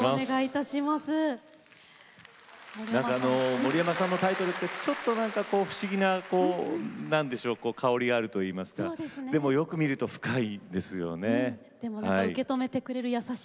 森山さんのタイトルってちょっと不思議な香りがあるといいますかよく見ると深いんですよね。